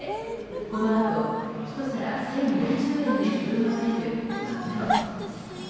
このあと１皿１０４０円で振る舞われるマグロ。